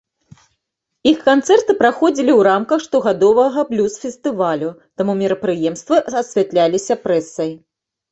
Іх канцэрты праходзілі ў рамках штогадовага блюз-фестывалю, таму мерапрыемствы асвятляліся прэсай.